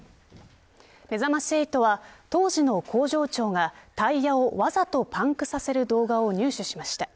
めざまし８は当時の工場長がタイヤをわざとパンクさせる動画を入手しました。